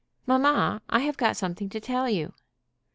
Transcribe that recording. "Mamma, I have got something to tell you."